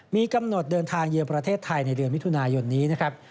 มีกำหนดเดินทางเยือนประเทศไทยในเดือนมิถุนายนนี้นะครับ